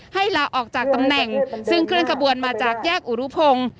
ลาออกจากตำแหน่งซึ่งเคลื่อขบวนมาจากแยกอุรุพงศ์